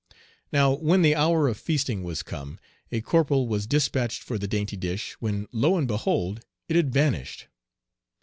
Now when the hour of feasting was come, a corporal was dispatched for the dainty dish, when, lo, and behold! it had vanished.